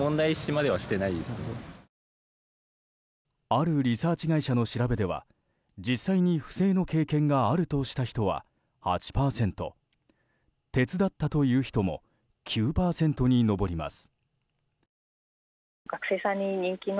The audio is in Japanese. あるリサーチ会社の調べでは実際に不正の経験があるとした人は８％手伝ったという人も９％に上ります。